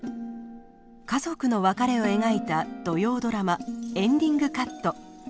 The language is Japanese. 家族の別れを描いた土曜ドラマ「エンディングカット」。